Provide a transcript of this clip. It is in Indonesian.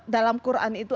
dalam quran itu